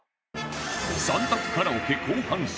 ３択カラオケ後半戦